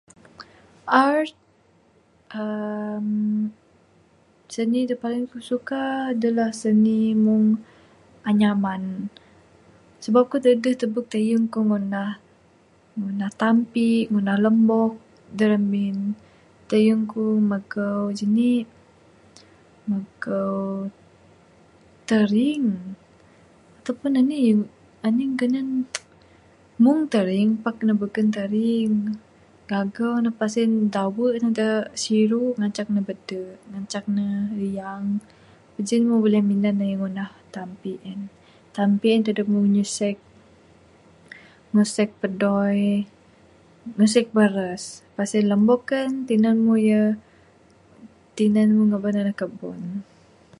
Art uhh seni dak paling ku suka adalah seni mung anyaman sabab ku deh tebuk teyung ku ngundah. Ngundah tampi, ngundah lumbok dak remin. Teyung ku megau jenik megau tering ataupun enih yah enih genan mung tering pak ne beken tering gagau ne pas sien dawan ne dak siru ngancak ne bede ngancak ne riaang, pejin mu buleh minan ne ngundah tampi en tampi en dadek mu ngusek ngusek pedoi ngusek beras. Lepas sien kan lumbok tinan mu yeh tinan mu ngeban ndek kebon.